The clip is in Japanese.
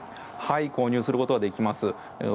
購入することができます。